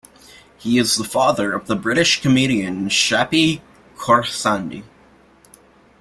He is the father of the British comedian Shappi Khorsandi.